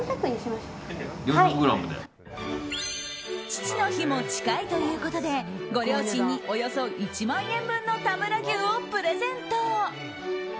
父の日も近いということでご両親におよそ１万円分の田村牛をプレゼント。